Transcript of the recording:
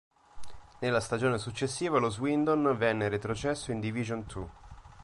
Nella stagione successiva lo Swindon venne retrocesso in Division Two.